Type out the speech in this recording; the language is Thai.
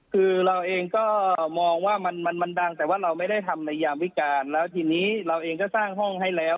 คือเราเองก็มองว่ามันมันดังแต่ว่าเราไม่ได้ทำในยามวิการแล้วทีนี้เราเองก็สร้างห้องให้แล้ว